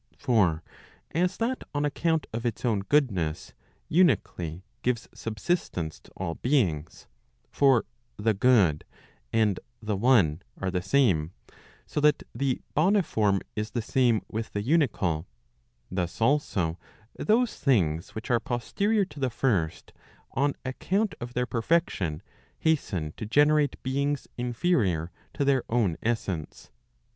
For as that on account of its own goodness, unically gives subsistence to all beings; for the good and the one are the same, so that the boniform is the same with the unical; thus also those things which are posterior to the first, on account of their perfection, hasten to generate beings inferior to their own essence.